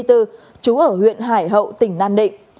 trú ở huyện hải hậu tỉnh nan định